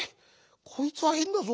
こいつはへんだぞ。